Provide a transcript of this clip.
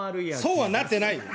そうはなってないよ